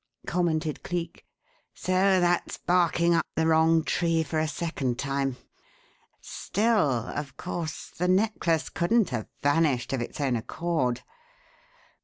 commented Cleek. "So that's 'barking up the wrong tree' for a second time. Still, of course, the necklace couldn't have vanished of its own accord.